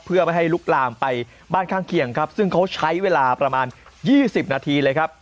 เพื่อไม่ให้ลุกลามไปบ้านข้างเคียงครับซึ่งเขาใช้เวลาประมาณ๒๐นาทีเลยครับ